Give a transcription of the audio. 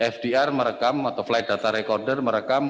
fdr merekam atau flight data recorder merekam